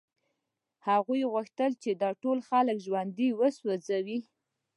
هغوی غوښتل چې دا ټول خلک ژوندي وسوځوي